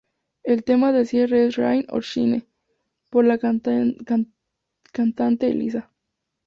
El tema de cierre es "Rain or Shine" por la cantante Elisa.